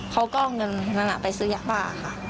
เขาก็เงินมากไปซื้อยากบ้าค่ะ